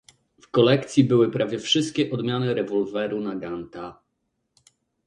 W kolekcji były prawie wszystkie odmiany rewolweru Naganta.